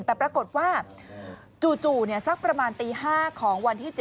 แต่ปรากฏว่าจู่สักประมาณตี๕ของวันที่๗